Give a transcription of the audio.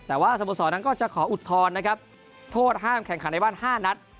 แต่ว่าสโมสรนั้นก็จะขออุทธรณ์นะครับโทษห้ามแข่งขันในบ้าน๕นัด